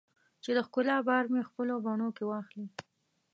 چې د ښکلا بار مې خپلو بڼو کې واخلې